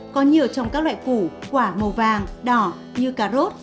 có nhiều trong các loại củ quả màu vàng đỏ như cà rốt